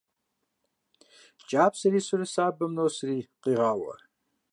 КӀапсэр исурэ сабэм носри, къегъауэ.